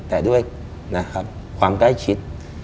แต่ด้วยความใกล้ชิด